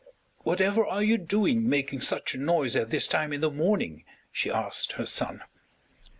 "Whatever are you doing, making such a noise at this time in the morning?" she asked her son.